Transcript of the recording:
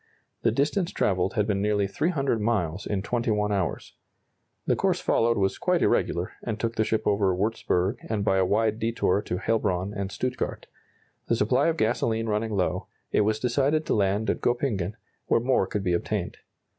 The distance travelled had been nearly 300 miles in 21 hours. The course followed was quite irregular, and took the ship over Wurtzburg, and by a wide detour to Heilbron and Stuttgart. The supply of gasoline running low, it was decided to land at Goeppingen, where more could be obtained.